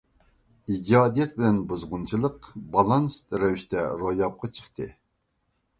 ئىجادىيەت بىلەن بۇزغۇنچىلىق بالانس رەۋىشتە روياپقا چىقتى.